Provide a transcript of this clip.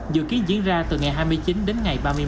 dự kiến diễn ra từ ngày hai mươi chín đến ngày ba mươi một